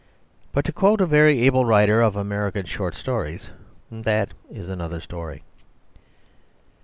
But (to quote a very able writer of American short stories) that is another story.